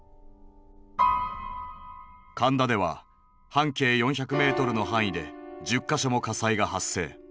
神田では半径４００メートルの範囲で１０か所も火災が発生。